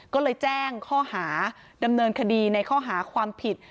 ก็เลยแจ้งข้อหาดำเนินคดีในข้อหาความผิด